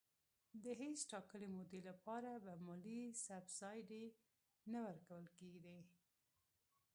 د هیڅ ټاکلي مودې لپاره به مالي سبسایډي نه ورکول کېږي.